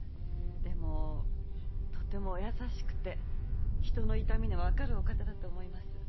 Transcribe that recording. とてもお優しくて人の痛みのわかるお方だと思います。